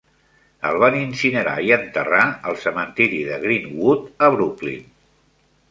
El van incinerar i enterrar al cementiri de Green-Wood, a Brooklyn.